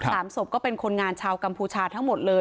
สามศพก็เป็นคนงานชาวกัมพูชาทั้งหมดเลย